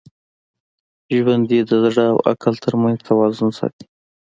ژوندي د زړه او عقل تر منځ توازن ساتي